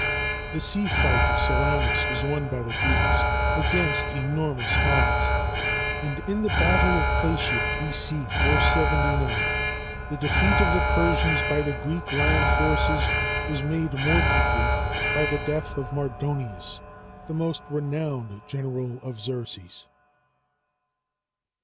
The sea fight of Salamis was won by the Greeks against enormous odds; and in the battle of Platæa, B.C. 479, the defeat of the Persians by the Greek land forces was made more complete by the death of Mardonius, the most renowned general of Xerxes.